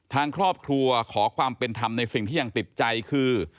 ทางครอบครัวขอความเป็นธรรมในสิ่งที่ยังติดใจคือ